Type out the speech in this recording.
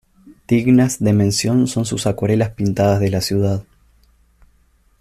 Dignas de mención son sus acuarelas pintadas de la ciudad.